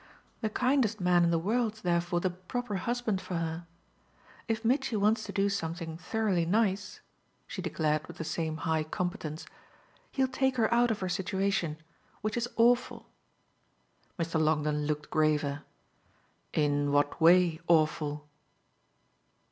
The kindest man in the world's therefore the proper husband for her. If Mitchy wants to do something thoroughly nice," she declared with the same high competence, "he'll take her out of her situation, which is awful." Mr. Longdon looked graver. "In what way awful?"